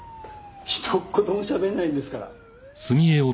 ひと言もしゃべらないんですから。